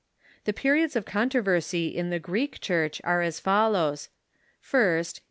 The periods of controversy in the Greek Church are as follows : First, a.